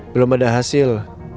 belum ada hasil